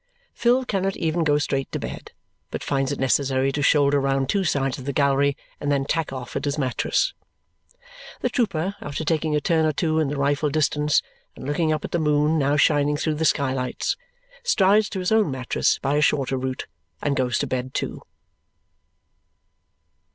Phil cannot even go straight to bed, but finds it necessary to shoulder round two sides of the gallery and then tack off at his mattress. The trooper, after taking a turn or two in the rifle distance and looking up at the moon now shining through the skylights, strides to his own mattress by a shorter route and goes to bed too.